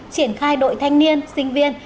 triển khai đội thanh niên sinh viên